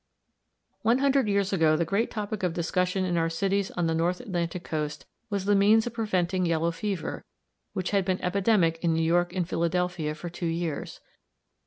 One hundred years ago the great topic of discussion in our cities on the North Atlantic coast was the means of preventing yellow fever, which had been epidemic in New York and Philadelphia for two years.